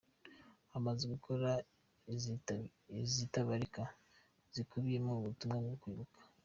Amaze gukora izitabarika zikubiyemo ubutumwa bwo kwibuka.